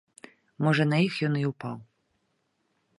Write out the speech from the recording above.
Можа, на іх ён і ўпаў.